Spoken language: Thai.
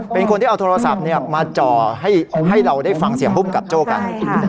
เป็นคนที่เอาโทรศัพท์มาจ่อให้เราได้ฟังเสียงภูมิกับโจ้กัน